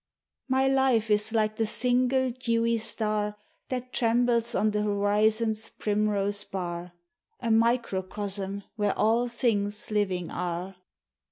My life is like the single dewy star That trembles on the horizon's primrose bar, — A microcosm where all things living are.